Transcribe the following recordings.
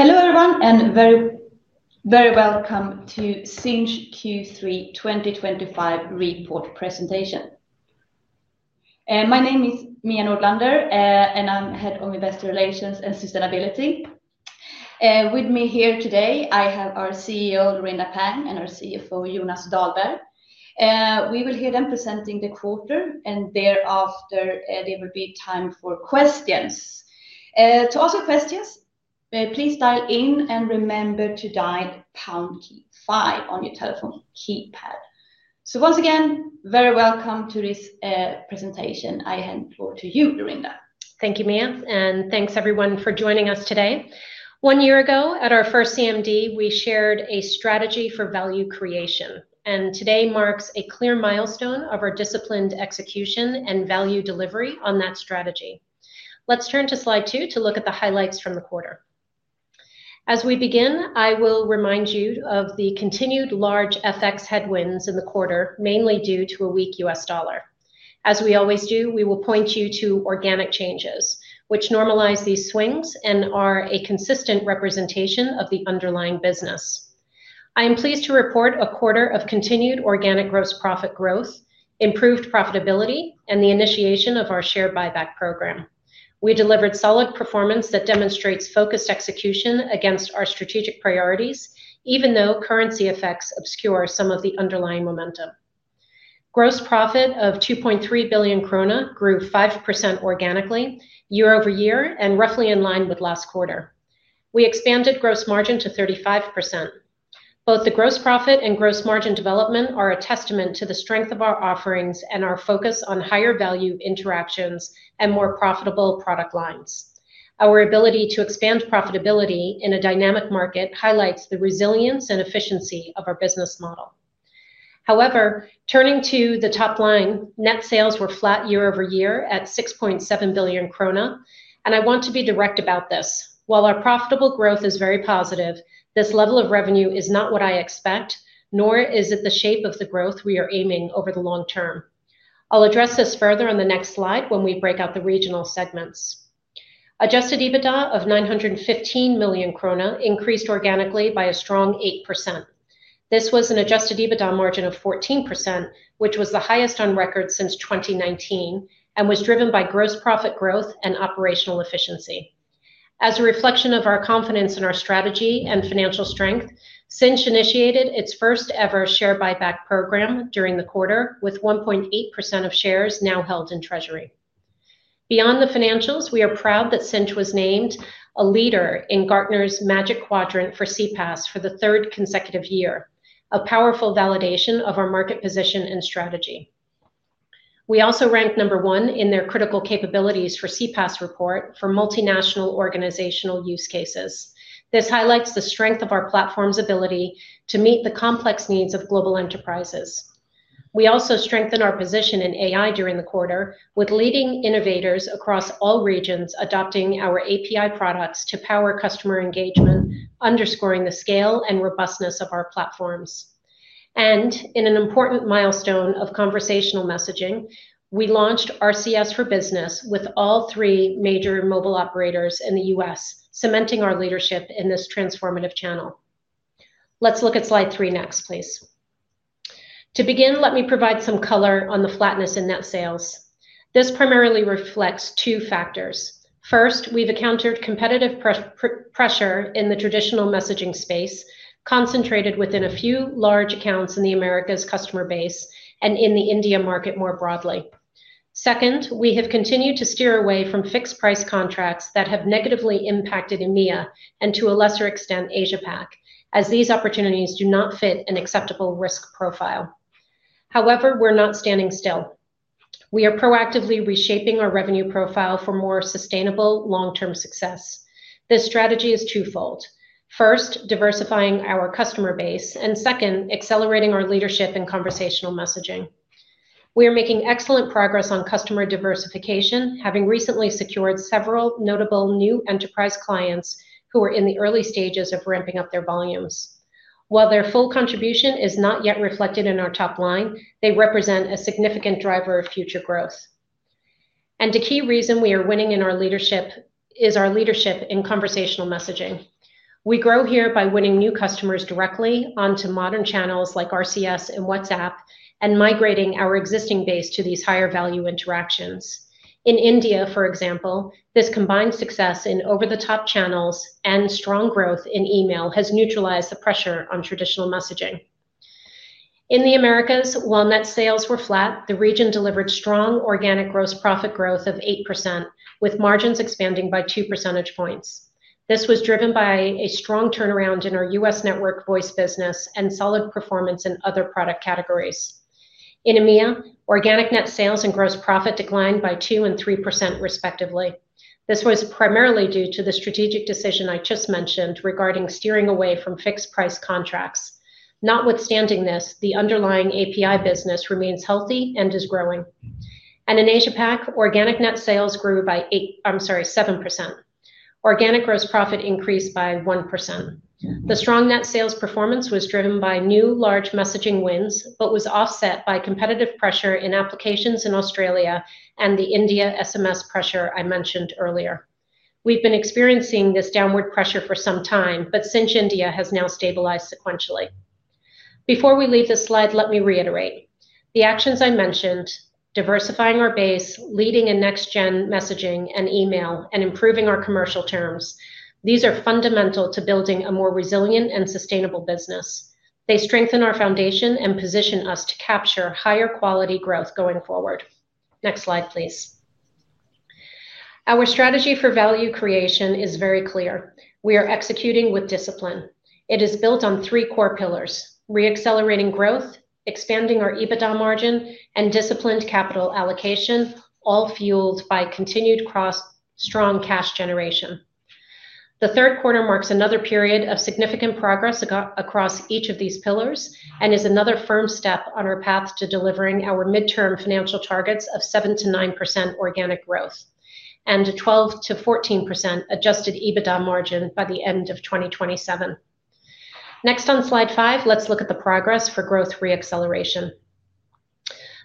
Hello everyone and very, very welcome to Sinch Q3 2025 report presentation. My name is Mian Nordlander and I'm Head of Investor Relations and Sustainability. With me here today I have our CEO Laurinda Pang and our CFO Jonas Dahlberg. We will hear them presenting the quarter and thereafter there will be time for questions. To ask your questions, please dial in and remember to dial key 5 on your telephone keypad. So once again, very welcome to this presentation. I hand over to you, Laurinda. Thank you, Mian. And thanks everyone for joining us today. One year ago at our first CMD, we shared a strategy for value creation and today marks a clear milestone of our disciplined execution and value delivery on that strategy. Let's turn to slide two to look at the highlights from the quarter. As we begin, I will remind you of the continued large FX headwinds in the quarter, mainly due to a weak U.S. dollar. As we always do, we will point you to organic changes which normalize these swings and are a consistent representation of the underlying business. I am pleased to report a quarter of continued organic gross profit growth, improved profitability, and the initiation of our share buyback program. We delivered solid performance that demonstrates focused execution against our strategic priorities, even though currency effects obscure some of the underlying momentum. Gross profit of 2.3 billion krona grew 5% organically year over year and, roughly in line with last quarter, we expanded gross margin to 35%. Both the gross profit and gross margin development are a testament to the strength of our offerings and our focus on higher value interactions and more profitable product lines. Our ability to expand profitability in a dynamic market highlights the resilience and efficiency of our business model. However, turning to the top line, net sales were flat year over year at 6.7 billion krona and I want to be direct about this. While our profitable growth is very positive, this level of revenue is not what I expect, nor is it the shape of the growth we are aiming over the long term. I'll address this further on the next slide when we break out the regional segments. Adjusted EBITDA of 915 million krona increased organically by a strong 8%. This was an Adjusted EBITDA margin of 14%, which was the highest on record since 2019 and was driven by gross profit growth and operational efficiency. As a reflection of our confidence in our strategy and financial strength, Sinch initiated its first ever share buyback program during the quarter with 1.8% of shares now held in Treasury. Beyond the financials, we are proud that Sinch was named a leader in Gartner's Magic Quadrant for CPaaS for the third consecutive year, a powerful validation of our market position and strategy. We also ranked number one in their Critical Capabilities for CPaaS report for multinational organizational use cases. This highlights the strength of our platform's ability to meet the complex needs of global enterprises. We also strengthened our position in AI during the quarter with leading innovators across all regions adopting our API products to power customer engagement, underscoring the scale and robustness of our platforms, and in an important milestone of conversational messaging, we launched RCS for Business with all three major mobile operators in the United States, cementing our leadership in this transformative channel. Let's look at slide 3 next please. To begin, let me provide some color on the flatness in net sales. This primarily reflects two factors. First, we've encountered competitive pressure in the traditional messaging space concentrated within a few large accounts in the Americas customer base and in the India market more broadly. Second, we have continued to steer away from fixed price contracts that have negatively impacted EMEA and to a lesser extent Asia Pacific as these opportunities do not fit an acceptable risk profile. However, we're not standing still. We are proactively reshaping our revenue profile for more sustainable long term success. This strategy is twofold, first, diversifying our customer base and second, accelerating our leadership in conversational messaging. We are making excellent progress on customer diversification, having recently secured several notable new enterprise clients who are in the early stages of ramping up their volumes. While their full contribution is not yet reflected in our top line, they represent a significant driver of future growth and a key reason we are winning is our leadership in conversational messaging. We grow here by winning new customers directly onto modern channels like RCS and WhatsApp and migrating our existing base to these higher value interactions. In India, for example, this combined success in over the top channels and strong growth in email has neutralized the pressure on traditional messaging in the Americas. While net sales were flat, the region delivered strong organic gross profit growth of 8% with margins expanding by 2 percentage points. This was driven by a strong turnaround in our U.S. Network voice business and solid performance in other product categories. In EMEA, organic net sales and gross profit declined by 2% and 3% respectively. This was primarily due to the strategic decision I just mentioned regarding steering away from fixed price contracts. Notwithstanding this, the underlying API business remains healthy and is growing, and in Asia Pacific, organic net sales grew by 8%—I'm sorry, 7%. Organic gross profit increased by 1%. The strong net sales performance was driven by new large messaging wins, but was offset by competitive pressure in applications in Australia and the India SMS pressure I mentioned earlier. We've been experiencing this downward pressure for some time, but Sinch India has now stabilized sequentially. Before we leave this slide, let me reiterate the actions I mentioned. Diversifying our base, leading in next gen messaging and email, and improving our commercial terms. These are fundamental to building a more resilient and sustainable business. They strengthen our foundation and position us to capture higher quality growth going forward. Next slide please. Our strategy for value creation is very clear. We are executing with discipline. It is built on three core pillars: reaccelerating growth, expanding our EBITDA margin, and disciplined capital allocation, all fueled by continued strong cash generation. The third quarter marks another period of significant progress across each of these pillars and is another firm step on our path to delivering our midterm financial targets of 7%-9% organic growth and a 12%-14% Adjusted EBITDA margin by the end of 2027. Next on slide five, let's look at the progress for growth reacceleration.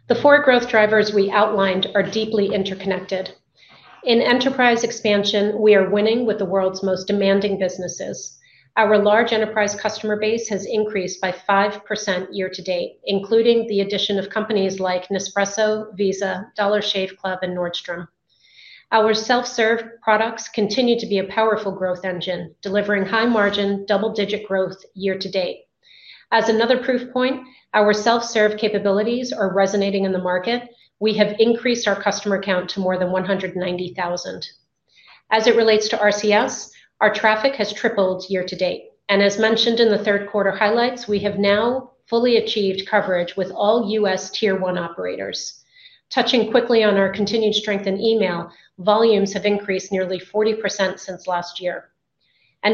The four growth drivers we outlined are deeply interconnected in enterprise expansion. We are winning with the world's most demanding businesses. Our large enterprise customer base has increased by 5% year to date, including the addition of companies like Nespresso, Visa, Dollar Shave Club, and Nordstrom. Our self-serve products continue to be a powerful growth engine, delivering high-margin double-digit growth year to date. As another proof point, our self-serve capabilities are resonating in the market. We have increased our customer count to more than 190,000. As it relates to RCS, our traffic has tripled year to date, and as mentioned in the third quarter highlights, we have now fully achieved coverage with all U.S. Tier 1 operators. Touching quickly on our continued strength in email, volumes have increased nearly 40% since last year.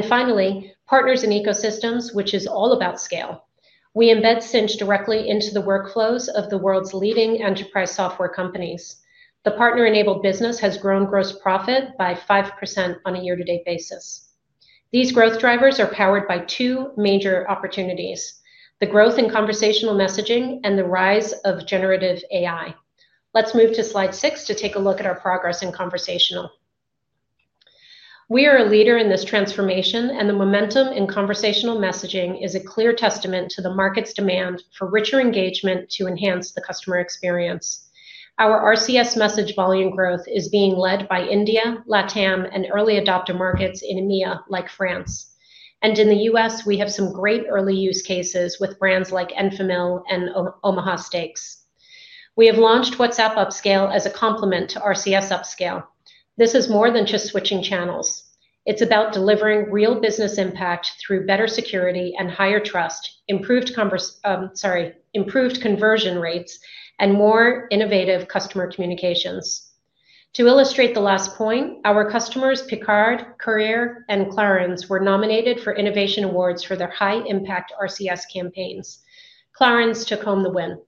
Finally, Partners in Ecosystems, which is all about scale. We embed Sinch directly into the workflows of the world's leading enterprise software companies. The partner enabled business has grown gross profit by 5% on a year to date basis. These growth drivers are powered by two major opportunities, the growth in conversational messaging and the rise of generative AI. Let's move to slide 6 to take a look at our progress in conversational. We are a leader in this transformation and the momentum in conversational messaging is a clear testament to the market's demand for richer engagement to enhance the customer experience. Our RCS message volume growth is being led by India, Latin America and early adopter markets in EMEA like France and in the U.S. we have some great early use cases with brands like Enfamil and Omaha Steaks. We have launched WhatsApp Upscale as a complement to RCS Upscale. This is more than just switching channels. It's about delivering real business impact through better security and higher trust, improved conversion rates and more innovative customer communications. To illustrate the last point, our customers Picard, Courier, and Clarins were nominated for Innovation Awards for their high impact RCS campaigns. Clarins took home the win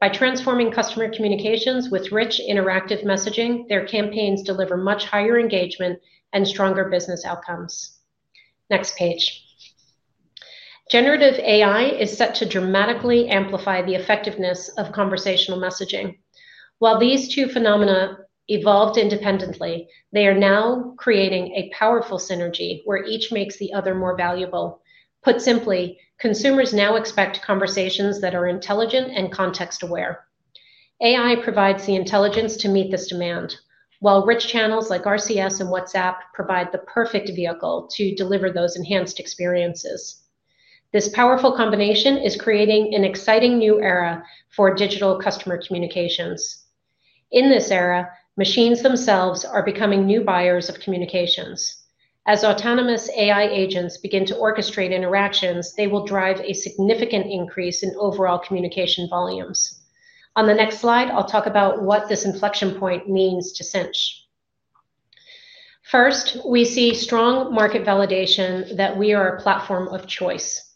by transforming customer communications with rich interactive messaging. Their campaigns deliver much higher engagement and stronger business outcomes. Next page. Generative AI is set to dramatically amplify the effectiveness of conversational messaging. While these two phenomena evolved independently, they are now creating a powerful synergy where each makes the other more valuable. Put simply, consumers now expect conversations that are intelligent and context aware. AI provides the intelligence to meet this demand, while rich channels like RCS and WhatsApp provide the perfect vehicle to deliver those enhanced experiences. This powerful combination is creating an exciting new era for digital customer communications. In this era, machines themselves are becoming new buyers of communications. As autonomous AI agents begin to orchestrate interactions, they will drive a significant increase in overall communication volumes. On the next slide, I'll talk about what this inflection point means to Sinch. First, we see strong market validation that we are a platform of choice.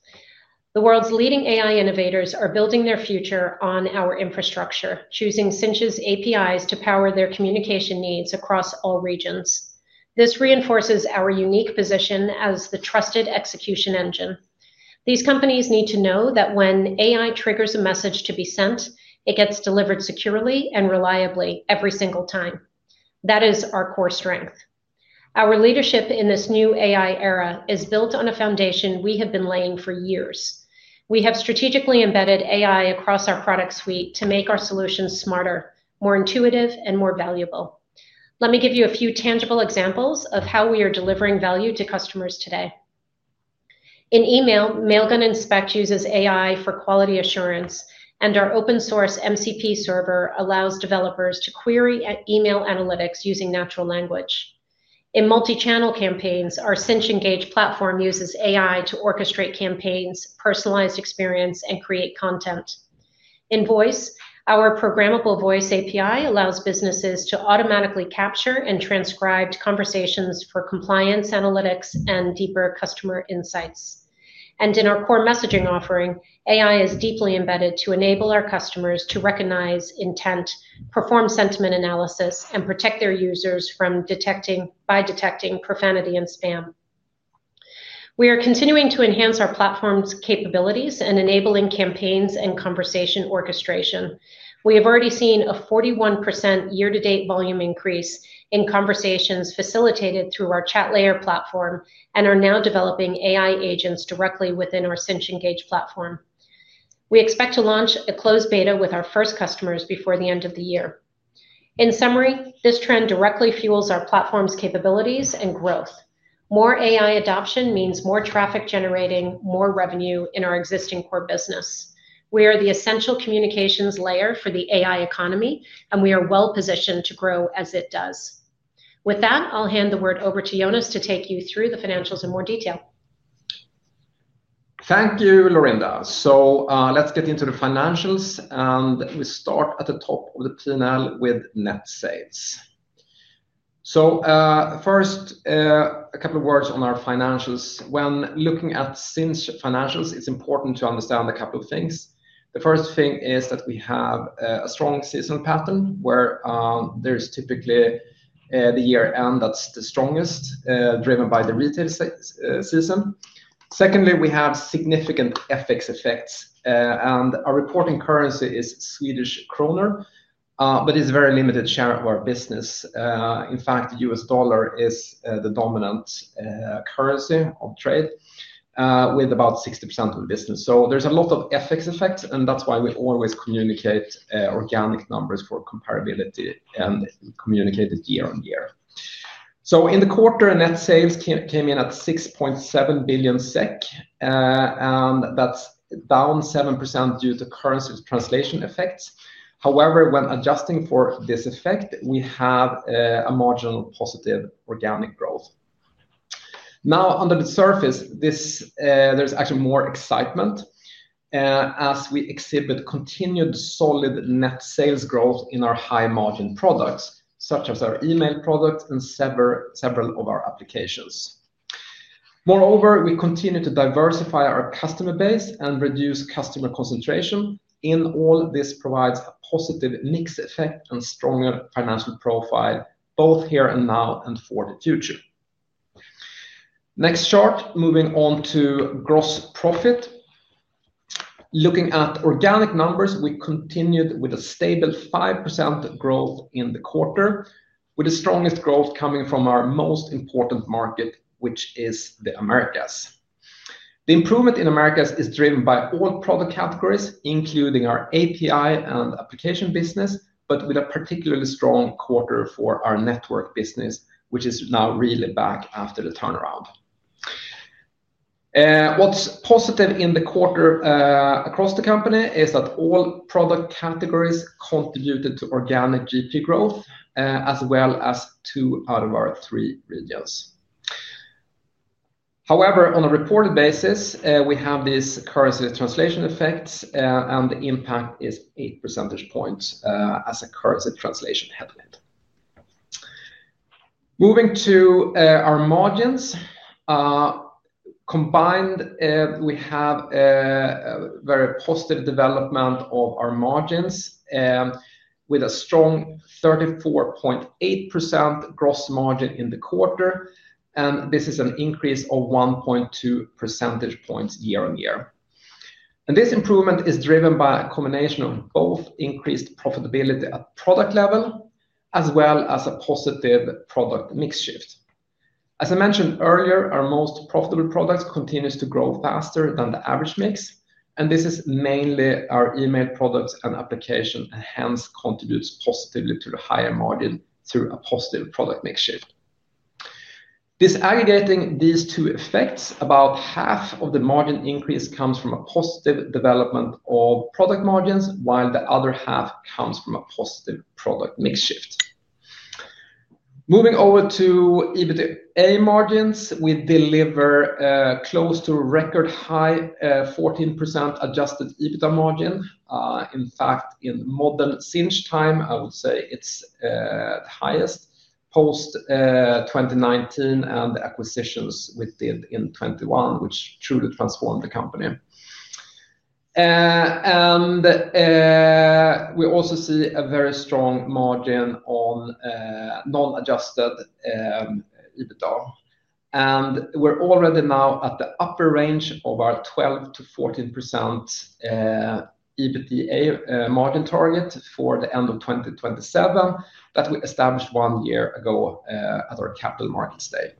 The world's leading AI innovators are building their future on our infrastructure, choosing Sinch's APIs to power their communication needs across all regions. This reinforces our unique position as the trusted execution engine. These companies need to know that when AI triggers a message to be sent, it gets delivered securely and reliably every single time. That is our core strength. Our leadership in this new AI era is built on a foundation we have been laying for years. We have strategically embedded AI across our product suite to make our solutions smarter, more intuitive, and more valuable. Let me give you a few tangible examples of how we are delivering value to customers today in email. Mailgun Inspect uses AI for quality assurance and our open source MCP Server allows developers to query email analytics using natural language in multi channel campaigns. Our Sinch Engage platform uses AI to orchestrate campaigns, personalize experience, and create content in Voice. Our Programmable Voice API allows businesses to automatically capture and transcribe conversations for compliance analytics and deeper customer insights. In our core messaging offering, AI is deeply embedded to enable our customers to recognize intent, perform sentiment analysis, and protect their users by detecting profanity and spam. We are continuing to enhance our platform's capabilities and enabling campaigns and conversation orchestration. We have already seen a 41% year to date volume increase in conversations facilitated through our Chatlayer platform and are now developing AI agents directly within our Sinch Engage platform. We expect to launch a closed beta with our first customers before the end of the year. In summary, this trend directly fuels our platform's capabilities and growth. More AI adoption means more traffic, generating more revenue in our existing core business. We are the essential communications layer for the AI economy and we are well positioned to grow as it does. With that, I'll hand the word over to Jonas to take you through the financials in more detail. Thank you, Laurinda. Let's get into the financials and we start at the top of the panel with net sales. First, a couple of words on our financials. When looking at Sinch financials, it's important to understand a couple of things. The first thing is that we have a strong seasonal pattern where typically the year end is the strongest, driven by the retail system. Secondly, we have significant FX effects and our reporting currency is Swedish krona, but it's a very limited share of our business. In fact, the U.S. dollar is the dominant currency of trade with about 60% of the business. There are a lot of FX effects and that's why we always communicate organic numbers for comparability and communicate year on year. In the quarter, net sales came in at 6.7 billion SEK and that's down 7% due to currency translation effects. However, when adjusting for this effect we have a marginal positive organic growth. Now under the surface there's actually more excitement as we exhibit continued solid net sales growth in our high margin products such as our email products and several of our applications. Moreover, we continue to diversify our customer base and reduce customer concentration. In all this provides a positive mix effect and stronger financial profile both here and now and for the future. Next chart. Moving on to gross profit. Looking at organic numbers, we continued with a stable 5% growth in the quarter with the strongest growth coming from our most important market which is the Americas. The improvement in Americas is driven by all product categories including our API and application business, but with a particularly strong quarter for our network business which is now really back after the turnaround. What's positive in the quarter across the company is that all product categories contributed to organic GP growth as well as two out of our three regions. However, on a reported basis we have this currency translation effect and the impact is 8 percentage points as a currency translation headwind. Moving to our margins, combined we have very positive development of our margins with a strong 34.8% gross margin in the quarter and this is an increase of 1.2 percentage points year on year. This improvement is driven by a combination of both increased profitability at product level as well as a positive product mix shift. As I mentioned earlier, our most profitable products continues to grow faster than the average mix and this is mainly our email products and application and hence contributes positively to the higher margin through a positive product mix shift. Disaggregating these two effects, about half of the margin increase comes from a positive development of product margins while the other half comes from a positive development product mix shift. Moving over to EBITDA margins, we deliver close to record high 14% Adjusted EBITDA margin. In fact, in modern Sinch time I would say it's the highest post 2019 and the acquisitions we did in 2021 which truly transformed the company and we also see a very strong margin on non Adjusted EBITDA. We're already now at the upper range of our 12-14% EBITDA margin target for the end of 2027 that we established one year ago at our capital markets day.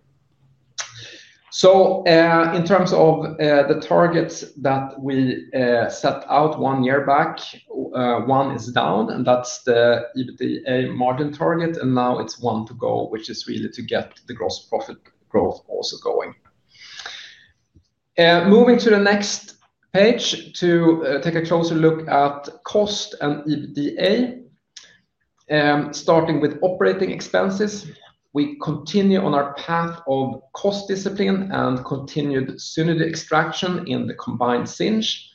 In terms of the targets that we set out, one year one is down and that's the EBITDA margin target and now it's one to go which is really to get the gross profit growth also going. Moving to the next page to take a closer look at cost and EBITDA. Starting with operating expenses, we continue on our path of cost discipline and continued synergy extraction in the combined Sinch.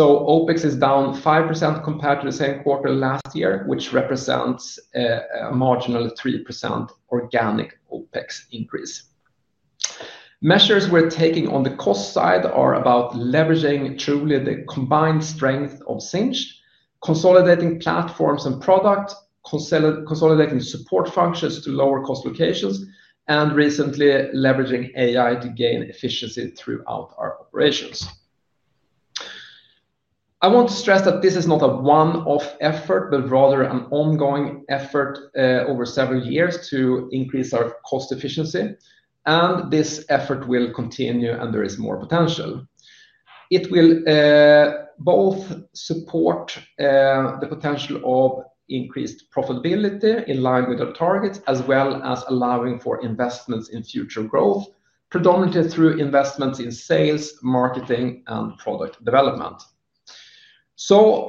OpEx is down 5% compared to the same quarter last year, which represents a marginal 3% organic OpEx increase. Measures we're taking on the cost side are about leveraging truly the combined strength of Sinch, consolidating platforms and product, consolidating support functions to lower cost locations, and recently leveraging AI to gain efficiency throughout our operations. I want to stress that this is not a one-off effort, but rather an ongoing effort over several years to increase our cost efficiency. This effort will continue and there is more potential. It will both support the potential of increased profitability in line with our targets as well as allowing for investments in future growth, predominantly through investments in sales, marketing, and product development.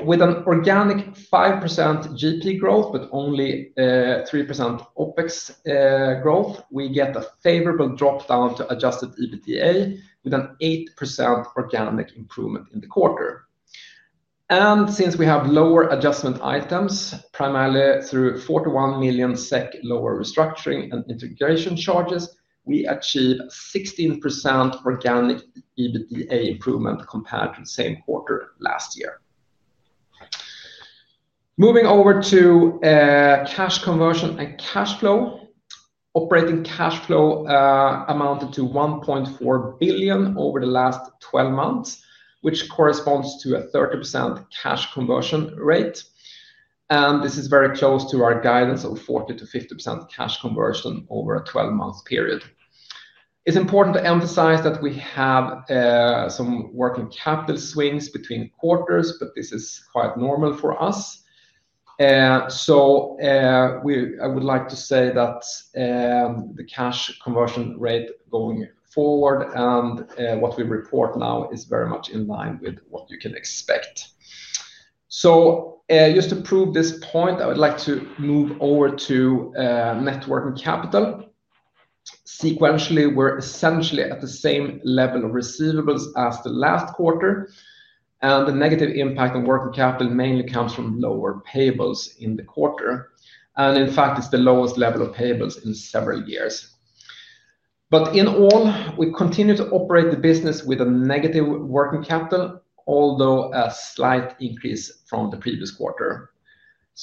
With an organic 5% gross profit growth but only 3% OpEx growth, we get a favorable drop down to Adjusted EBITDA with an 8% organic improvement in the quarter. Since we have lower adjustment items, primarily through 41 million SEK lower restructuring and integration charges, we achieved 16% organic EBITDA improvement compared to the same quarter last year. Moving over to cash conversion and cash flow, operating cash flow amounted to 1.4 billion over the last 12 months which corresponds to a 30% cash conversion rate. This is very close to our guidance of 40-50% cash conversion over a 12 month period. It's important to emphasize that we have some working capital swings between quarters, but this is quite normal for us. I would like to say that the cash conversion rate going forward and what we report now is very much in line with what you can expect. Just to prove this point, I would like to move over to net working capital sequentially. We're essentially at the same level of receivables as the last quarter and the negative impact on working capital mainly comes from lower payables in the quarter. In fact, it's the lowest level of payables in several years. In all, we continue to operate the business with a negative working capital, although a slight increase from the previous quarter.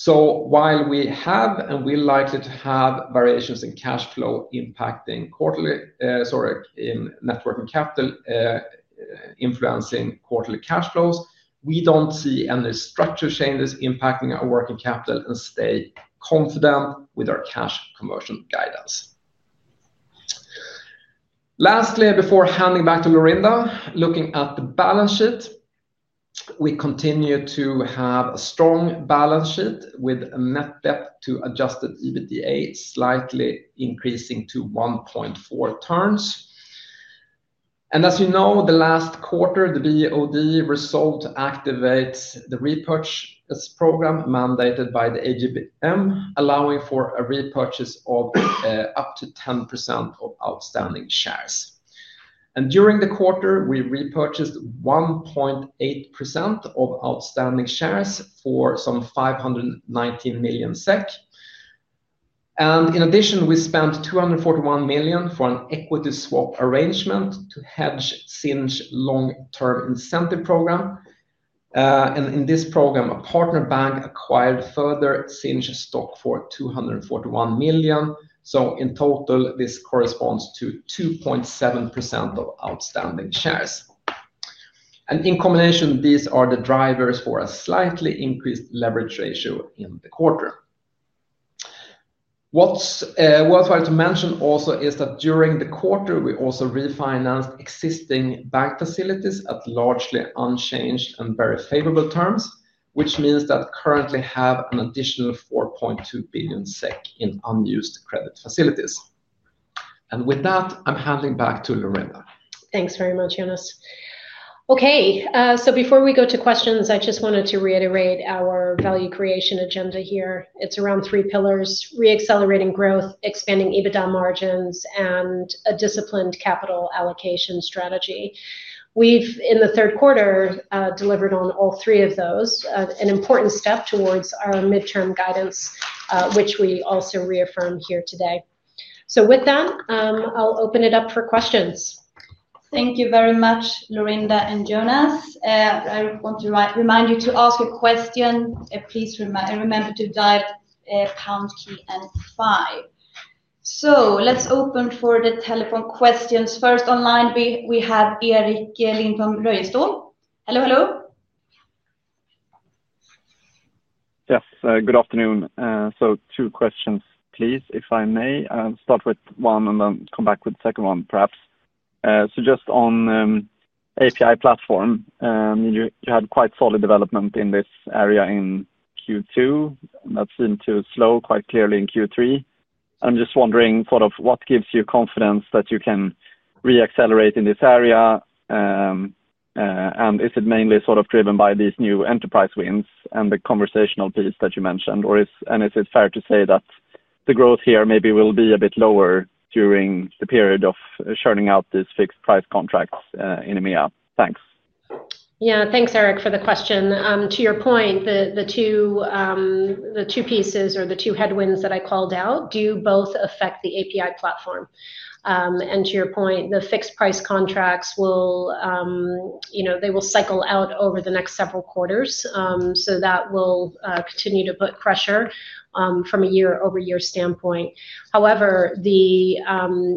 While we have and we are likely to have variations in cash flow impacting quarterly, sorry, in net working capital influencing quarterly cash flows, we don't see any structural changes impacting our working capital and stay confident with our cash conversion guidance. Lastly, before handing back to Laurinda, looking at the balance sheet, we continue to have a strong balance sheet with net debt to Adjusted EBITDA slightly increasing to 1.4 turns. As you know, the last quarter the board result activates the repurchase program mandated by the AGM allowing for a repurchase of up to 10% of outstanding shares. During the quarter, we repurchased 1.8% of outstanding shares for some 519 million SEK. In addition, we spent 241 million for an equity swap arrangement to hedge Sinch long term incentive program. In this program, a partner bank acquired further Sinch stock for 241 million. In total, this corresponds to 2.7% of outstanding shares. In combination, these are the drivers for a slightly increased leverage ratio in the quarter. What's worthwhile to mention also is that during the quarter we also refinanced existing bank facilities at largely unchanged and very favorable terms, which means that we currently have an additional 4.2 billion SEK in unused credit facilities. With that, I'm handing back to Laurinda. Thanks very much, Jonas. Okay, before we go to questions, I just wanted to reiterate our value creation agenda here. It's around three: reaccelerating growth, expanding EBITDA margins, and a disciplined capital allocation strategy. We've in the third quarter delivered on all three of those. An important step towards our midterm guidance, which we also reaffirm here today. With that, I'll open it up for questions. Thank you very much. Laurinda and Jonas, I want to remind you to ask a question. Please remember to dial pound key and five. Let's open for the telephone questions first. Online we have Erik Lindblom-Röjestål. Hello. Hello. Yes, good afternoon. Two questions please, if I may start with one and then come back with the second one perhaps. Just on API platform, you had quite solid development in this area in Q2 that seemed to slow quite clearly in Q3. I'm just wondering sort of what gives you confidence that you can re-accelerate in this area and is it mainly sort of driven by these new enterprise wins and the conversational piece that you mentioned, or is it fair to say that the growth here maybe will be a bit lower during the period of churning out these fixed price contracts in EMEA? Thanks. Yeah, thanks Erik for the question. To your point, the two pieces or the two headwinds that I called out do both affect the API platform. To your point, the fixed price contracts will, you know, they will cycle out over the next several quarters, so that will continue to put pressure from a year over year standpoint. However, the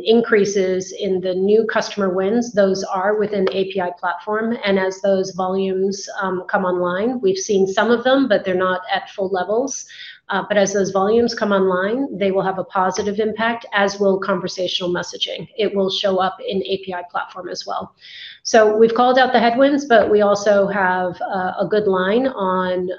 increases in the new customer wins, those are within API platform and as those volumes come online, we've seen some of them, but they're not at full levels. As those volumes come online they will have a positive impact as will conversational messaging. It will show up in API platform as well. We've called out the headwinds, but we also have a good line on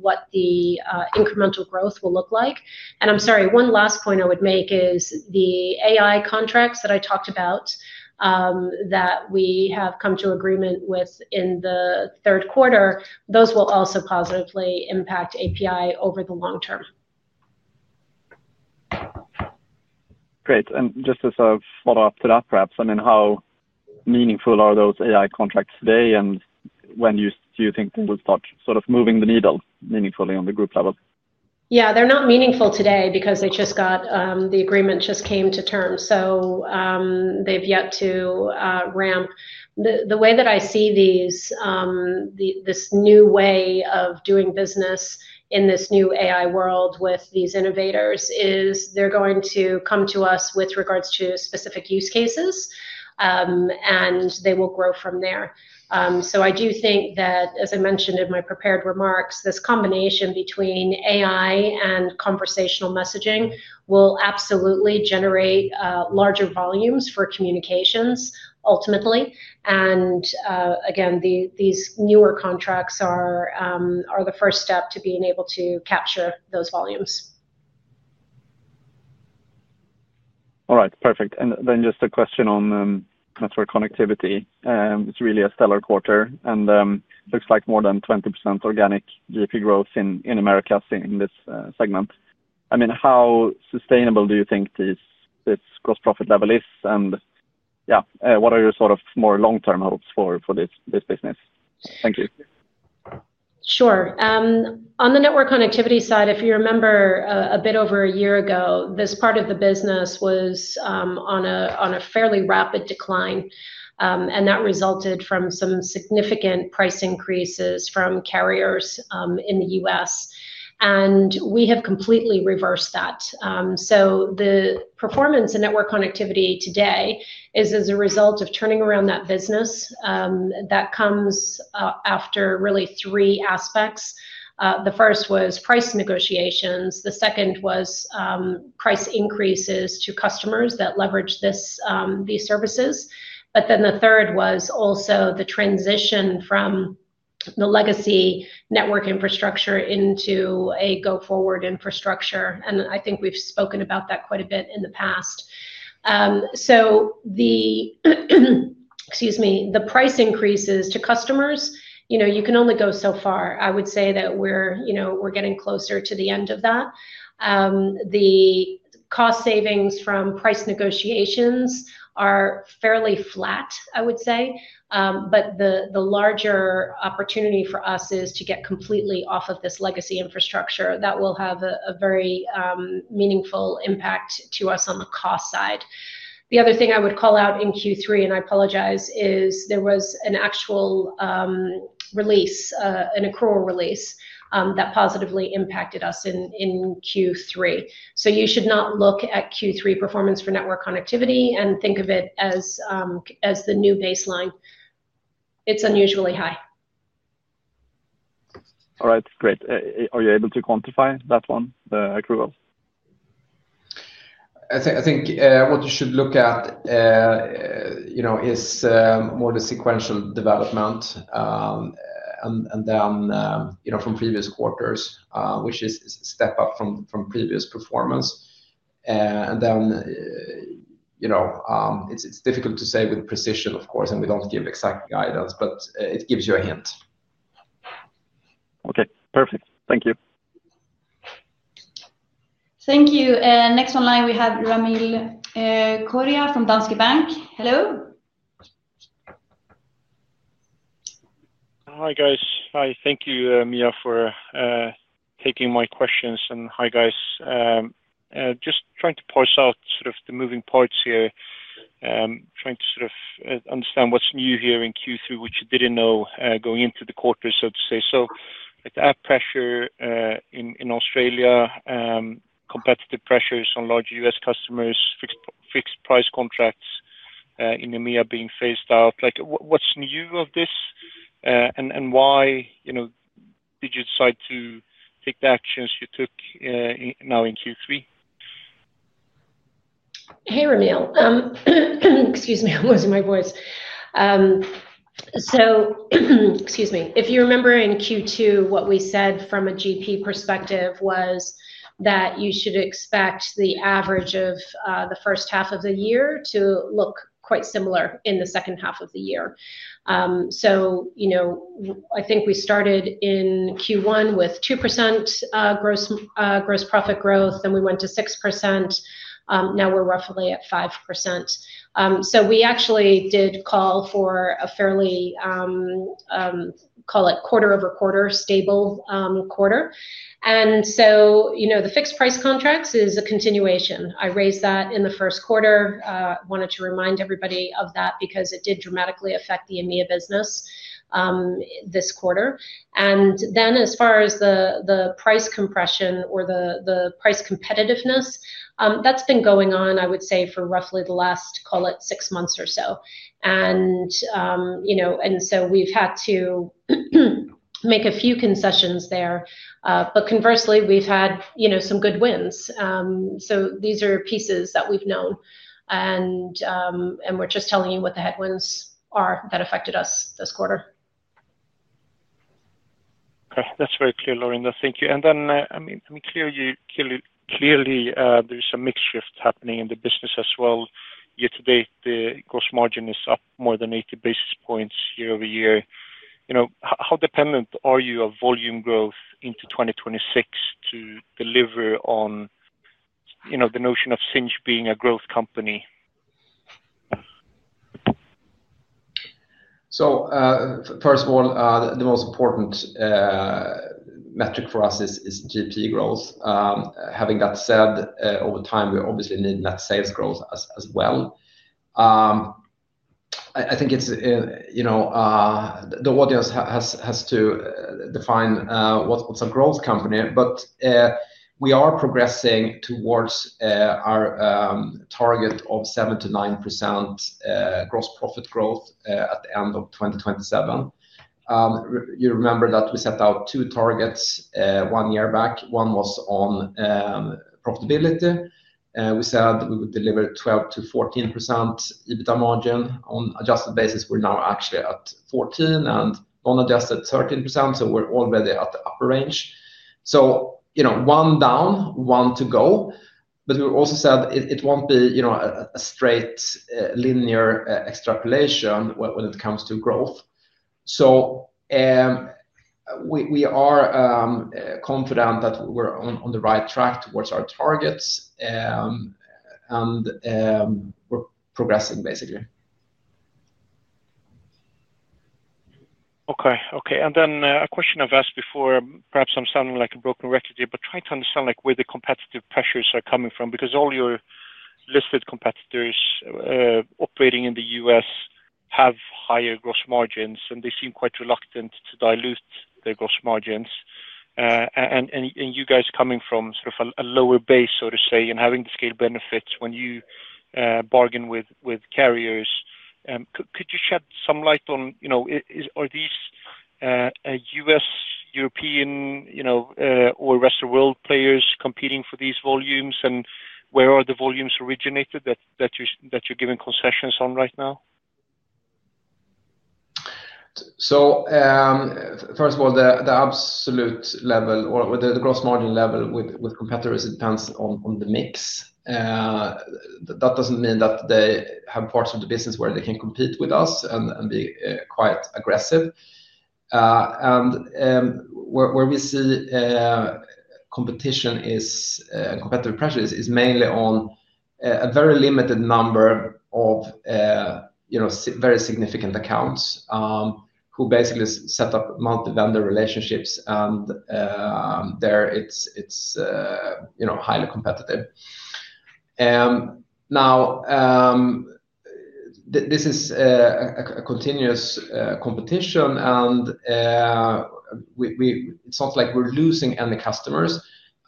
what the incremental growth will look like. I'm sorry, one last point I would make is the AI contracts that I talked about that we have come to agreement with in the third quarter. Those will also positively impact API over the long term. Great. Just as a follow up to that, perhaps, I mean how meaningful are those AI contracts today and when do you think they will start sort of moving the needle meaningfully on the group level? Yeah, they're not meaningful today because they just got the agreement, just came to terms. They have yet to ramp. The way that I see these, this new way of doing business in this new AI world with these innovators is they're going to come to us with regards to specific use cases and they will grow from there. I do think that, as I mentioned in my prepared remarks, this combination between AI and conversational messaging will absolutely generate larger volumes for communications ultimately. These newer contracts are the first step to being able to capture those volumes. All right, perfect. Just a question on network connectivity. It's really a stellar quarter and looks like more than 20% organic gross profit growth in America in this segment. I mean, how sustainable do you think this gross profit level is? Yeah, what are your sort of more long term hopes for this business? Thank you. Sure. On the network connectivity side, if you remember a bit over a year ago, this part of the business was on a fairly rapid decline and that resulted from some significant price increases from carriers in the U.S. and we have completely reversed that. The performance in network connectivity today is as a result of turning around that business that comes after really three aspects. The first was price negotiations. The second was price increases to customers that leverage these services. The third was also the transition from the legacy network infrastructure into a go forward infrastructure. I think we've spoken about that quite a bit in the past. The price increases to customers, you know, you can only go so far. I would say that we're, you know, we're getting closer to the end of that. The cost savings from price negotiations are fairly flat, I would say. The larger opportunity for us is to get completely off of this legacy infrastructure. That will have a very meaningful impact to us on the cost side. The other thing I would call out in Q3, and I apologize, is there was an actual release, an accrual release that positively impacted us in Q3. You should not look at Q3 performance for network connectivity and think of it as the new baseline. It is unusually high. All right, great. Are you able to quantify that one, the approval? I think what you should look at, you know, is more the sequential development and then, you know, from previous quarters, which is a step up from previous performance. It is difficult to say with precision, of course, and we do not give exact guidance, but it gives you a hint. Okay, perfect. Thank you. Thank you. Next on line we have Ramil Koria from Danske Bank. Hello. Hi guys. Hi. Thank you, Mian, for taking my questions. And hi guys. Just trying to parse out sort of the moving parts here. Trying to sort of understand what's new here in Q3, which you didn't know going into the quarter, so to say. So app pressure in Australia, competitive pressures on large U.S. customers, fixed price contracts in EMEA being phased out. Like what's new of this? And why, you know, did you decide to take the actions you took now in Q3? Hey, Ramil. Excuse me, I'm losing my voice. Excuse me. If you remember in Q2, what we said from a GP perspective was that you should expect the average of the first half of the year to look quite similar in the second half of the year. You know, I think we started in Q1 with 2% gross profit growth, then we went to 6%. Now we're roughly at 5%. We actually did call for a fairly, call it, quarter over quarter, stable quarter. You know, the fixed price contracts is a continuation. I raised that in the first quarter. I wanted to remind everybody of that because it did dramatically affect the EMEA business this quarter. As far as the price compression or the price competitiveness that's been going on, I would say for roughly the last, call it six months or so. You know, we've had to make a few concessions there, but conversely, we've had, you know, some good wins. These are pieces that we've known and we're just telling you what the headwinds are that affected us this quarter. Okay, that's very clear, Laurinda. Thank you. Clearly there's a mix shift. Happening in the business as well. Year to date, the gross margin is up more than 80 basis points year over year. How dependent are you of volume growth into 2026 to deliver on, you know, the notion of Sinch being a growth company? First of all, the most important metric for us is GP growth. Having that said, over time, we obviously need net sales growth as well. I think it's, you know, the audience has to define what's a growth company. We are progressing towards our target of 7%-9% gross profit growth at the end of 2027. You remember that we set out two targets one year back. One was on profitability. We said we would deliver 12%-14% EBITDA margin on adjusted basis. We're now actually at 14% and non-adjusted, 13%. We're already at the upper range. You know, one down, one to go. We also said it won't be, you know, a straight linear extrapolation when it comes to growth. We are confident that we're on the right track towards our targets and we're progressing basically. Okay. Okay. A question I've asked before, perhaps I'm sounding like a broken record here, but trying to understand like where the competitive pressures are coming from. Because all your listed competitors operating in the U.S. have higher gross margins and they seem quite reluctant to dilute their gross margins. You guys coming from sort of a lower base, so to say, and having the scale benefits when you bargain with carriers. Could you shed some light on, you know, are these U.S., European, you know, or rest of world players competing for these volumes and where are the volumes originated that you're giving concessions on right now? First of all, the absolute level or the gross margin level with competitors depends on the mix. That does not mean that they have parts of the business where they can compete with us and be quite aggressive. Where we see competition is competitive pressure is mainly on a very limited number of very significant accounts who basically set up multi-vendor relationships and there it is, you know, highly competitive. Now this is a continuous competition and it does not sound like we are losing any customers.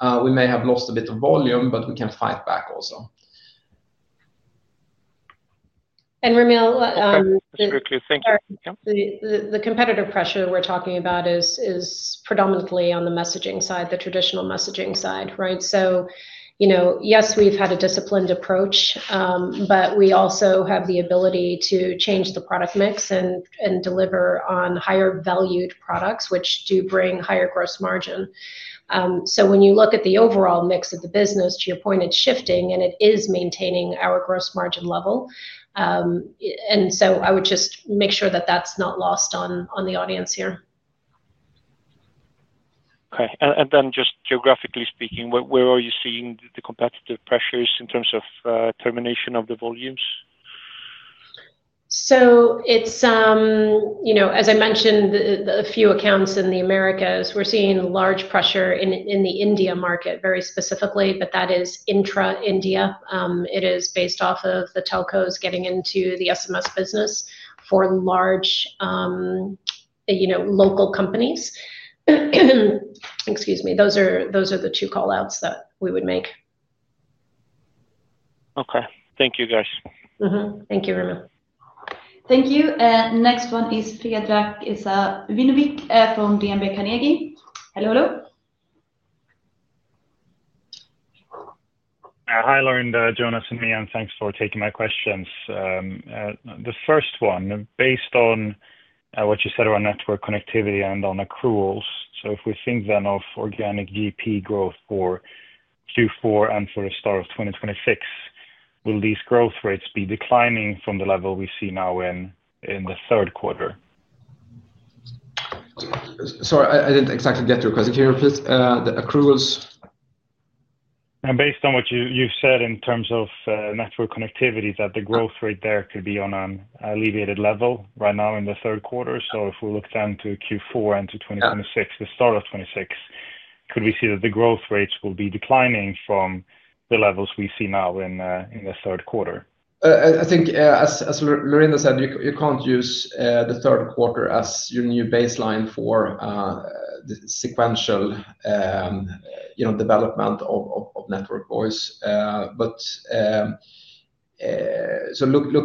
We may have lost a bit of volume, but we can fight back also. Ramil, thank you. The competitive pressure we're talking about is predominantly on the messaging side. The traditional messaging side. Right. You know, yes, we've had a disciplined approach, but we also have the ability to change the product mix and deliver on higher valued products which do bring higher gross margin. When you look at the overall mix of the business, to your point, it's shifting and it is maintaining our gross margin level. I would just make sure that that's not lost on the audience here. Okay. And then just geographically speaking, where are you seeing the competitive pressures in terms of termination of the volumes? It's, you know, as I mentioned, a few accounts in the Americas, we're seeing large pressure in the India market very specifically, but that is intra India. It is based off of the telcos getting into the SMS business for large, you know, local companies. Excuse me, those are the two call outs that we would make. Okay, thank you guys. Thank you, Ramil. Thank you. Next one is Predrag Savinovic from Carnegie Investment Bank. Hello. Hello. Hi, Laurinda, Jonas and me. And thanks for taking my questions. The first one, based on what you said around network connectivity and on accruals. So if we think then of organic GP growth for Q4 and for the start of 2026, will these growth rates be declining from the level we see now in, in the third quarter? Sorry, I didn't exactly get your question here. Please. The accruals. Based on what you've said in terms of network connectivity, that the growth rate there could be on alleviated level right now in the third quarter. If we look down to Q4 and to 2026, the start of 2026, could we see that the growth rates will be declining from the levels we see now in the third quarter? I think, as Laurinda said, you can't use the third quarter as your new baseline for the sequential development of network voice. Look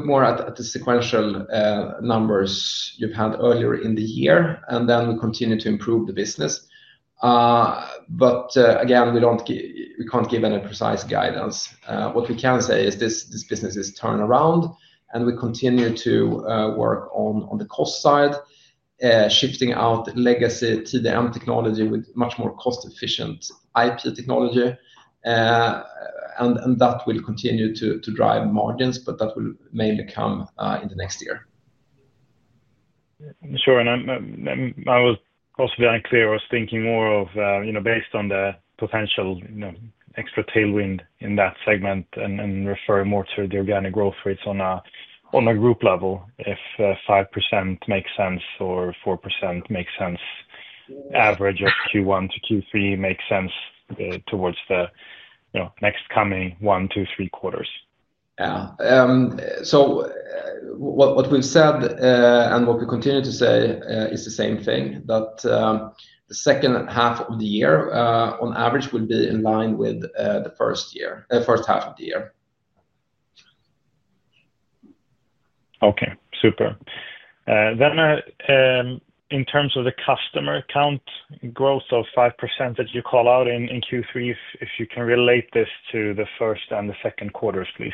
more at the sequential numbers you've had earlier in the year and then we continue to improve the business, but again we can't give any precise guidance. What we can say is this business is turned around and we continue to work on the cost side, shifting out legacy to the [M technology] with much more cost-efficient IP technology and that will continue to drive margins, but that will mainly come in the next year. Sure. I was possibly unclear. I was thinking more of, you know, based on the potential extra tailwind in that segment and refer more to the organic growth rates on a group level. If 5% makes sense or 4% makes sense, average of Q1 to Q3 makes sense towards the next coming one, two, three quarters. What we've said and what we continue to say is the same thing, that the second half of the year on average will be in line with the first half of the year. Okay, super. In terms of the customer count growth of 5% that you call out in Q3, if you can relate this to the first and the second quarters, please.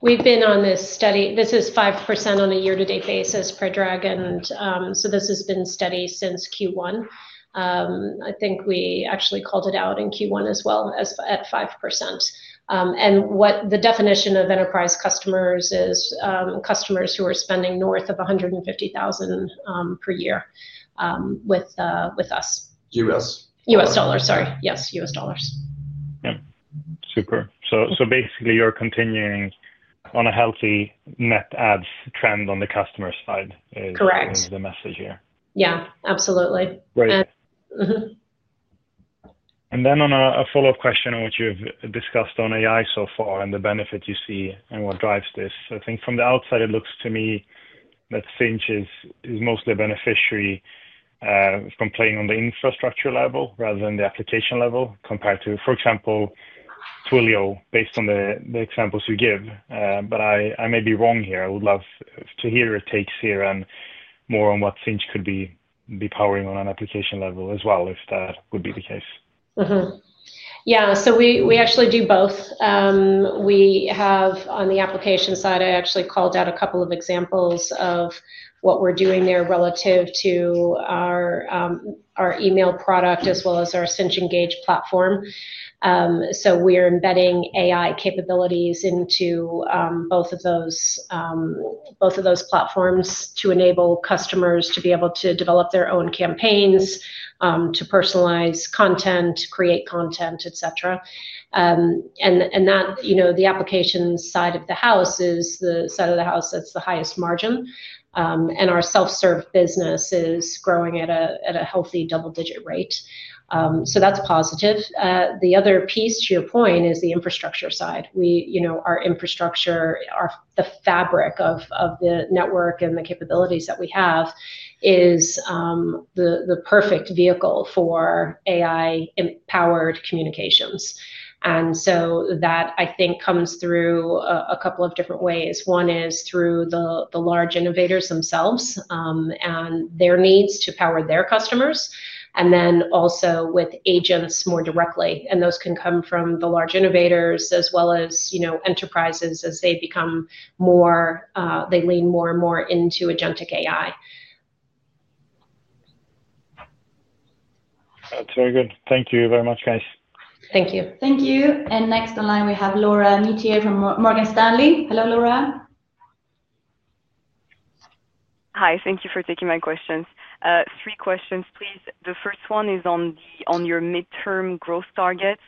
We've been on this study, this is 5% on a year to date basis predrag and so this has been steady since Q1. I think we actually called it out in Q1 as well at 5% and what the definition of enterprise customers is customers who are spending north of $150,000 per year with. With U.S. dollars. Sorry, yes, U.S. dollars. Yeah, super. Basically, you're continuing on a healthy net ads trend on the customer side. Correct the message here. Yeah, absolutely right. On a follow up question on what you've discussed on AI so far and the benefit you see and what drives this, I think from the outside it looks to me that Sinch is mostly beneficiary, playing on the infrastructure level rather than the application level compared to, for example, Twilio, based on the examples you give. I may be wrong here. I would love to hear your takes here and more on what Sinch could be powering on an application level as well, if that would be the case. Yeah, so we actually do both. We have on the application side. I actually called out a couple of examples of what we're doing there relative to our email product as well as our Sinch Engage platform. We are embedding AI capabilities into both of those platforms to enable customers to be able to develop their own campaigns to personalize content, create content, etc. The application side of the house is the side of the house that's the highest margin. Our self serve business is growing at a healthy double digit rate. That's positive. The other piece to your point is the infrastructure side. You know, our infrastructure, the fabric of the network and the capabilities that we have is the perfect vehicle for AI powered communications. That I think comes through a couple of different ways. One is through the large innovators themselves and their needs to power their customers, and then also with agents more directly. Those can come from the large innovators as well as enterprises as they become more, they lean more and more into Agentic AI. That's very good. Thank you very much, guys. Thank you. Thank you. Next online we have Laura Metayer from Morgan Stanley. Hello Laura. Hi. Thank you for taking my questions. Three questions please. The first one is on your midterm gross targets.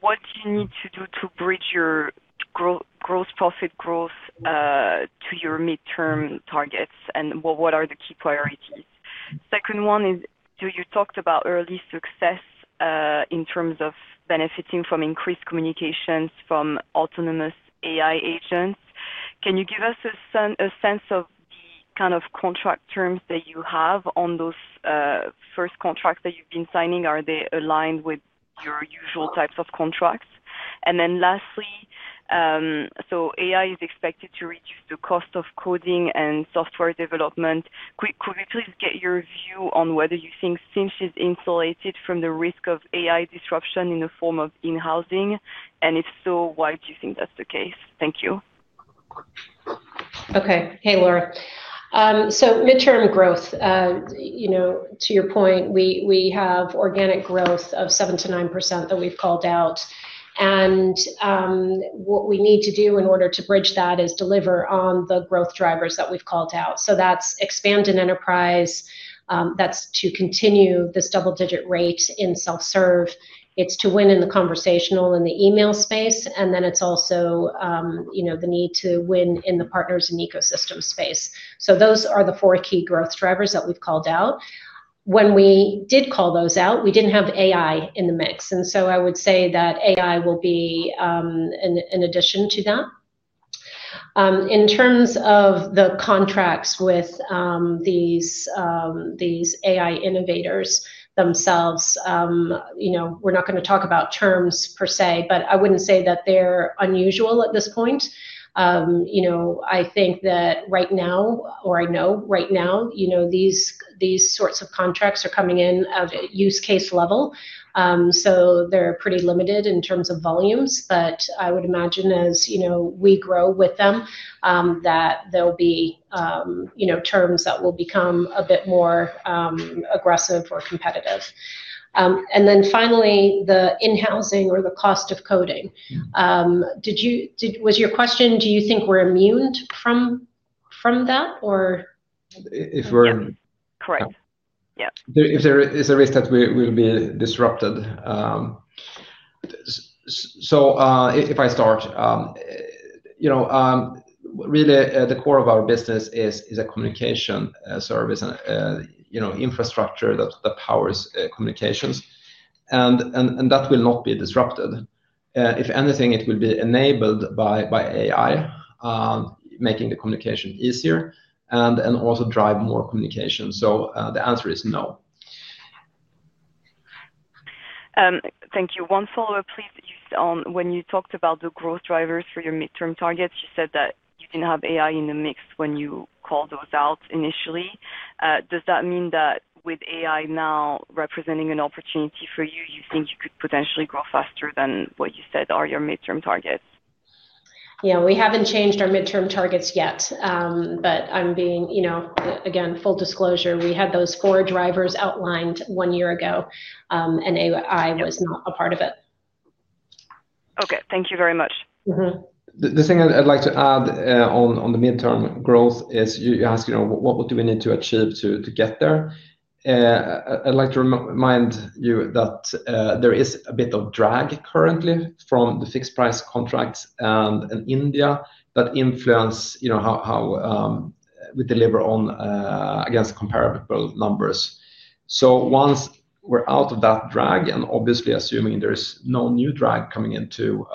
What do you need to do to bridge your gross profit growth to your midterm targets and what are the key priorities? Second one is you talked about early success in terms of benefiting from increased communication from autonomous AI agents. Can you give us a sense of the kind of contract terms that you have on those first contracts that you've been signing? Are they aligned with your usual types of contracts? Lastly, AI is expected to reduce the cost of coding and software development. Could we please get your view on whether you think Sinch is insulated from the risk of AI disruption in the form of in housing and if so, why do you think that's the case? Thank you. Okay. Hey Laura. Midterm growth, you know, to your point, we have organic growth of 7%-9% that we've called out and what we need to do in order to bridge that is deliver on the growth drivers that we've called out. That is expand in enterprise, that is to continue this double-digit rate in self-serve, it is to win in the conversational and the email space. It is also, you know, the need to win in the partners and ecosystem space. Those are the four key growth drivers that we've called out. When we did call those out, we did not have AI in the mix. I would say that AI will be an addition to that in terms of the contracts with these AI innovators themselves. You know, we're not going to talk about terms per se, but I wouldn't say that they're unusual at this point. You know, I think that right now, or I know right now, you know, these sorts of contracts are coming in at use case level, so they're pretty limited in terms of volumes. I would imagine, as you know we grow with them, that there will be, you know, terms that will become a bit more aggressive or competitive and then finally the in housing or the cost of coding. Did you, did, was your question, do you think we're immune from, from. That or if we're correct. Yeah, if there is a risk that we will be disrupted. If I start, you know, really the core of our business is a communication service, you know, infrastructure that powers communications and that will not be disrupted. If anything, it will be enabled by AI making the communication easier and also drive more communication. The answer is no. Thank you. One follow up please. When you talked about the growth drivers for your midterm targets, you said that you didn't have AI in the mix when you called those out initially. Does that mean that with AI now representing an opportunity for you, you think you could potentially grow faster than what you said are your midterm targets? Yeah, we haven't changed our midterm targets yet. I'm being, you know, again, full disclosure, we had those four drivers outlined one year ago and AI was not a part of it. Okay, thank you very much. The thing I'd like to add on the midterm growth is you ask what do we need to achieve to get there? I'd like to remind you that there is a bit of drag currently from the fixed price contracts in India that influence how we deliver on against comparable numbers. Once out of that drag, and obviously assuming there is no new drag coming into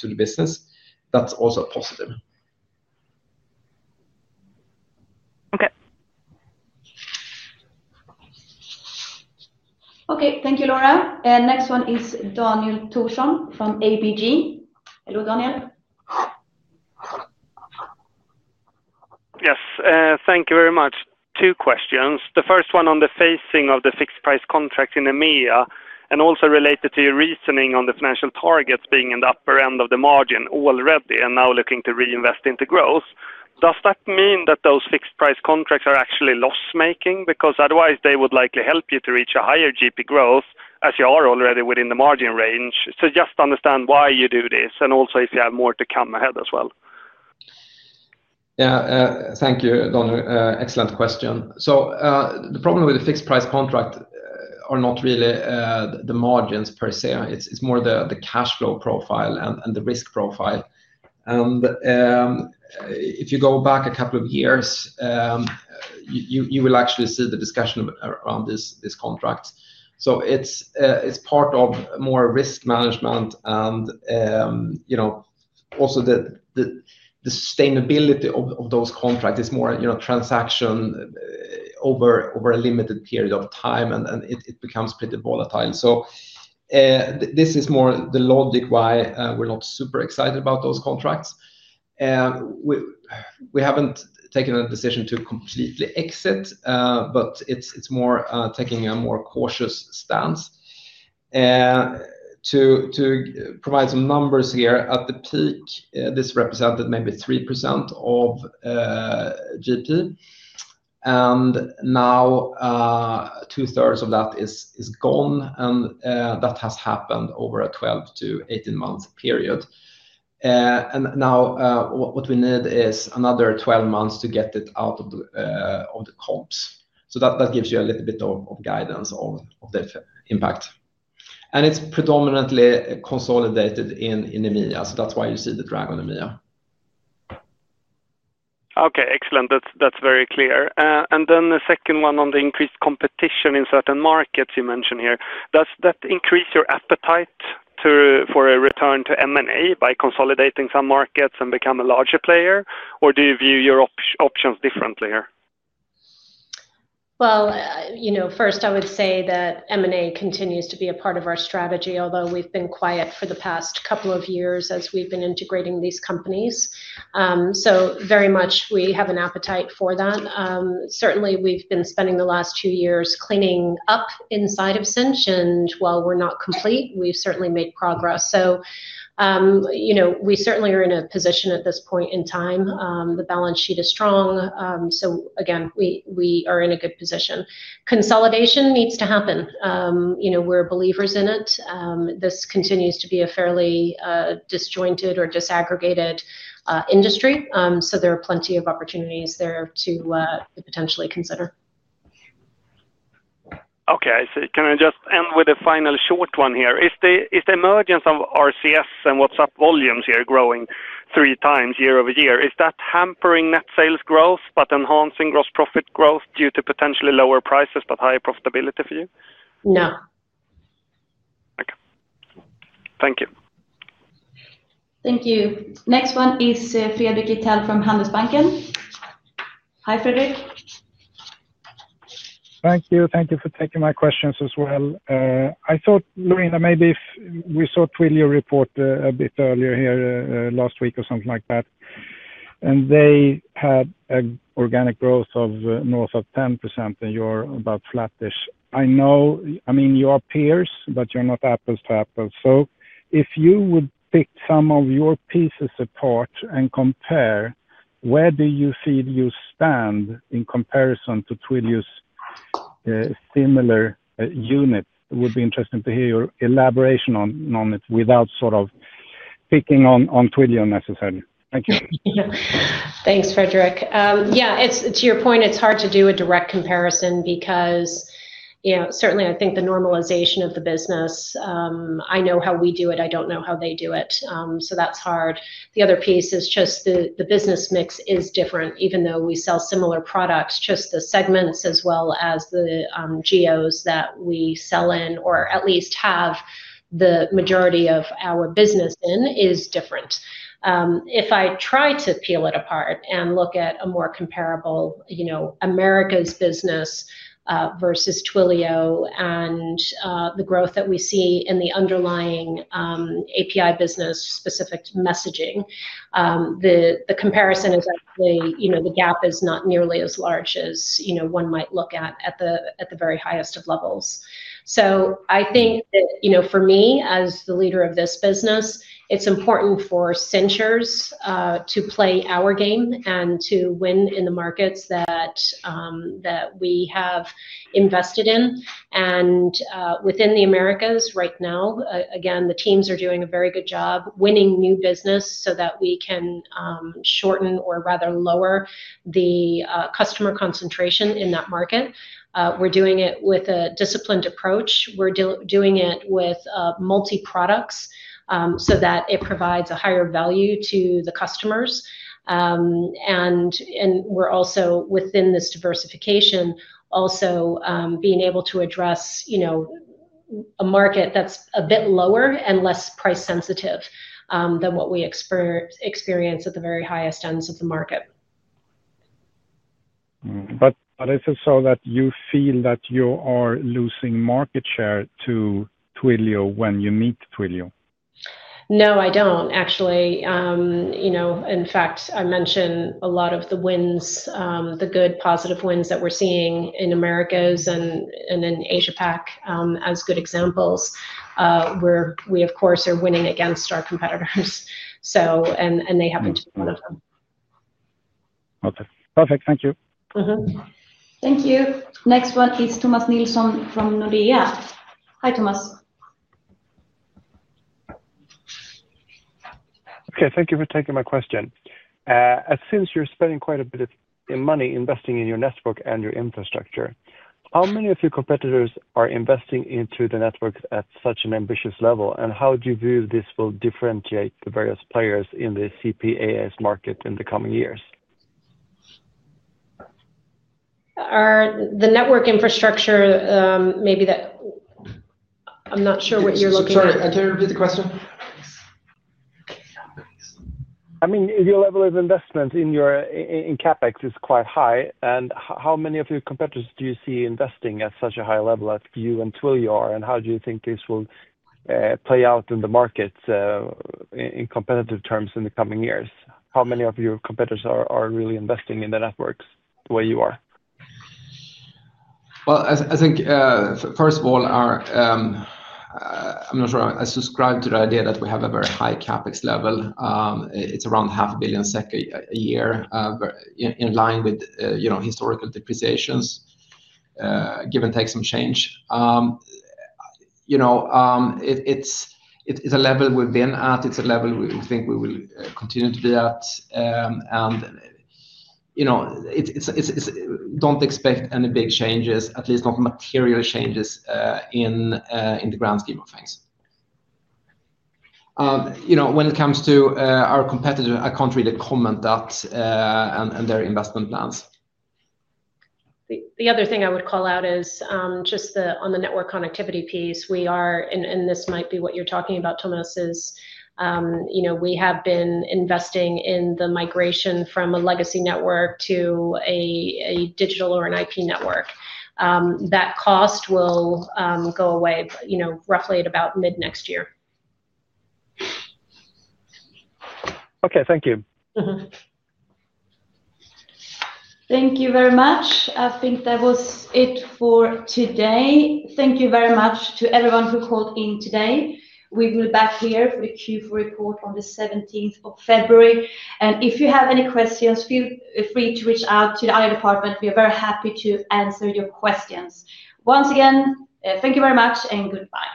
the business, that's also positive. Okay. Okay, thank you, Laura. Next one is Daniel Thorsson from ABG. Hello Daniel. Yes, thank you very much. Two questions. The first one on the phasing of the fixed price contracts in EMEA and also related to your reasoning on the financial targets being in the upper end of the margin already and now looking to reinvest into growth. Does that mean that those fixed price contracts are actually loss making? Because otherwise they would likely help you to reach a higher GP growth as you are already within the margin range. I just want to understand why you do this. Also, if you have more to come ahead as well. Yeah, thank you, Donna. Excellent question. The problem with the fixed price contract is not really the margins per se, it's more the cash flow profile and the risk profile. If you go back a couple of years, you will actually see the discussion around these contracts. It is part of more risk management. Also, the sustainability of those contracts is more transaction over a limited period of time and it becomes pretty volatile. This is more the logic why we're not super excited about those contracts. We haven't taken a decision to completely exit, but it's more taking a more cautious stance. To provide some numbers here, at the peak, this represented maybe 3% of GP and now two thirds of that is gone and that has happened over a 12-18 month period. What we need is another 12 months to get it out of the comps. That gives you a little bit of guidance of the impact. It is predominantly consolidated in EMEA, so that is why you see the drag on EMEA. Okay, excellent. That's very clear. The second one on the increased competition in certain markets you mentioned here. Does that increase your appetite for a return to M&A by consolidating some markets and become a larger player or do you view your options differently here? You know, first I would say that M&A continues to be a part of our strategy, although we've been quiet for the past couple of years as we've been integrating these companies, so very much we have an appetite for that. Certainly we've been spending the last two years cleaning up inside of Sinch and while we're not complete, we've certainly made progress. You know, we certainly are in a position at this point in time. The balance sheet is strong. Again, we are in a good position. Consolidation needs to happen. You know, we're believers in it. This continues to be a fairly disjointed or disaggregated industry. There are plenty of opportunities there to potentially consider. Okay, can I just end with a final short one here, is the emergence of RCS and WhatsApp volumes here growing three times year over year? Is that hampering net sales growth but enhancing gross profit growth due to potentially lower prices but higher profitability for you? No. Okay, thank you. Thank you. Next one is Fredrik Axel from Handelsbanken. Hi Fredrik. Thank you. Thank you for taking my questions as well. I thought, Louisa, maybe if we saw Twilio report a bit earlier here last week or something like that and they had an organic growth of north of 10% and you're about flattish. I know, I mean you are peers but you're not apples to apples. So if you would pick some of your pieces apart and compare, where do you see you stand in comparison to Twilio's similar unit. It would be interesting to hear your elaboration on it without sort of speaking on Twilio necessarily. Thank you. Thanks, Fredrik. Yeah, to your point, it's hard to do a direct comparison because certainly I think the normalization of the business, I know how we do it, I don't know how they do it. That's hard. The other piece is just the business mix is different. Even though we sell similar products, just the segments as well as the geos that we sell in or at least have the majority of our business in is different. If I try to peel it apart and look at a more comparable, you know, Americas business versus Twilio and the growth that we see in the underlying API business specific messaging, the comparison is actually, you know, the gap is not nearly as large as, you know, one might look at at the very highest of levels. I think, you know, for me as the leader of this business, it's important for Sinchers to play our game and to win in the markets that we have invested in. Within the Americas right now, again, the teams are doing a very good job winning new business so that we can shorten or rather lower the customer concentration in that market. We're doing it with a disciplined approach, we're doing it with multi products so that it provides a higher value to the customers, and we're also within this diversification also being able to address, you know, a market that's a bit lower and less price sensitive than what we experience at the very highest ends of the market. If it's so that you feel that you are losing market share to Twilio when you meet Twilio. No, I don't actually. You know, in fact I mentioned a lot of the wins, the good positive wins that we're seeing in Americas and in Asia PAC as good examples where we of course are winning against our competitors. They happen to be one of them. Okay, perfect. Thank you. Thank you. Next one is Thomas Nilsson from Nordea. Hi Tomas. Okay, thank you for taking my question. Since you're spending quite a bit of money investing in your network and your infrastructure, how many of your competitors are investing into the networks at such an ambitious level, and how do you view this will differentiate the various players in the CPaaS market in the coming years? Are the network infrastructure, maybe that. I'm not sure what you're looking. Sorry, can you repeat the question? I mean your level of investment in CapEx is quite high. How many of your competitors do you see investing at such a high level as you and Twilio? How do you think this will play out in the market in competitive terms in the coming years? How many of your competitors are really. Investing in the networks the way you are? I think first of all, I'm not sure I subscribe to the idea that we have a very high CapEx level. It's around 500,000,000 SEK a year in line with historical depreciations, give and take some changes. It is a level we've been at. It's a level we think we will continue to do that and, you know, don't expect any big changes, at least not material changes in the grand scheme of things. You know, when it comes to our competitors, I can't really comment on that and their investment plans. The other thing I would call out is just on the network connectivity piece we are, and this might be what you're talking about, Thomas, is, you know, we have been investing in the migration from a legacy network to a digital or an IP network. That cost will go away, you know, roughly at about mid next year. Okay, thank you. Thank you very much. I think that was it for today. Thank you very much to everyone who called in today. We will be back here for the Q4 report on the 17th of February. If you have any questions, feel free to reach out to the IR department. We are very happy to answer your questions. Once again, thank you very much and goodbye.